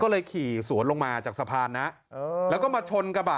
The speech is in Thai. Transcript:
ก็เลยขี่สวนลงมาจากสะพานนะแล้วก็มาชนกระบะ